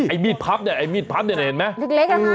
ไอ้มีดพับนี่ไอ้มีดพับนี่เห็นไหมเล็กนะครับ